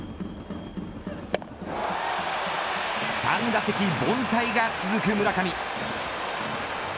３打席凡退が続く村上。